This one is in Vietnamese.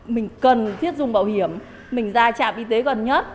mình cần thiết dùng bảo hiểm mình ra trạm y tế gần nhất